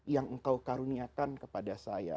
yang engkau karuniakan kepada saya